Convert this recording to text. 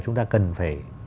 chúng ta cần phải